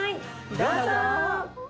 どうぞ！